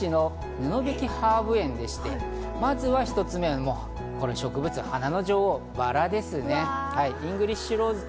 神戸市の布引ハーブ園でして、まずは１つ目、植物、花の女王バラですね。